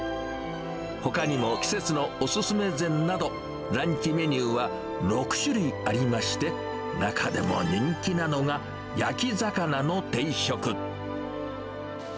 ほかにも、季節のおすすめ膳など、ランチメニューは６種類ありまして、中でも人気なのが焼き魚の定食。